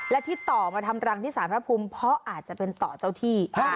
และที่ต่อมาทำรังที่สารพระภูมิเพราะอาจจะเป็นต่อเจ้าที่